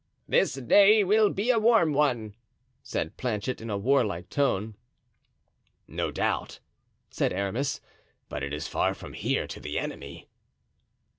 "This day will be a warm one," said Planchet, in a warlike tone. "No doubt," said Aramis, "but it is far from here to the enemy."